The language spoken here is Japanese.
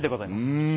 うん。